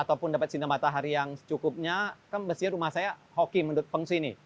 ataupun dapat cinta matahari yang secukupnya kan mestinya rumah saya hoki menurut peng su ini